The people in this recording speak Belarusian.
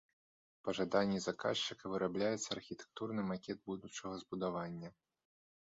Па жаданні заказчыка вырабляецца архітэктурны макет будучага збудавання.